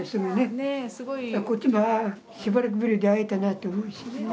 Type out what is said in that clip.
こっちもしばらくぶりで会えたなと思うしね。ね。